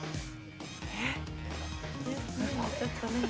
えっ？